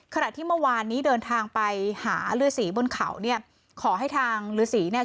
ขณะที่เมื่อวานนี้เดินทางไปหาฤษีบนเขาเนี่ยขอให้ทางฤษีเนี่ย